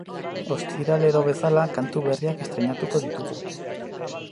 Ostiralero bezala, kantu berriak estreinatuko ditugu.